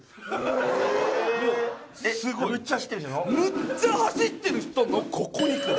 むっちゃ走ってる人のここにくる。